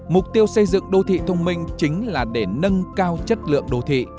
mục tiêu xây dựng đô thị thông minh chính là để nâng cao chất lượng đô thị